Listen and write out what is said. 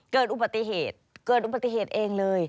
เกิดอุบัติเหตุเกิดอุบัติเหตุเองเลย